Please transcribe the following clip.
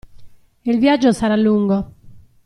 E il viaggio sarà lungo!